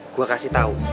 gue kasih tau